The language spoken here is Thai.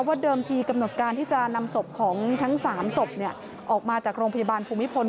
เดิมทีกำหนดการที่จะนำศพของทั้ง๓ศพออกมาจากโรงพยาบาลภูมิพล